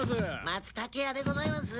松茸屋でございます。